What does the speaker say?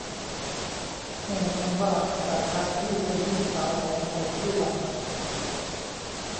แน่นอนว่าจากการที่เป็นลูกสาวของตลกชื่อดัง